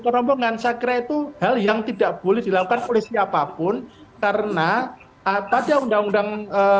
kerombongan sakre itu hal yang tidak boleh dilakukan oleh siapapun karena apa tanda undang